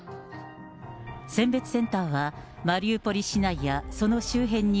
選別センターは、マリウポリ市内やその周辺に４